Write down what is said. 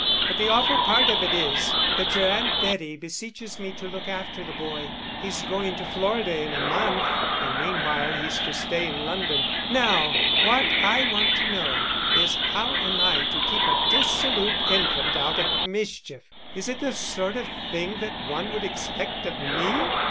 But the awful part of it is that your Aunt Betty beseeches me to look after the boy. He's going to Florida in a month, and meanwhile he's to stay in London. Now, what I want to know, is how am I to keep a dissolute infant out of mischief. Is it the sort of thing that one would expect of me?"